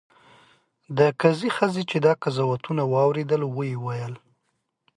د قاضي ښځې چې دا قضاوتونه واورېدل ویې ویل.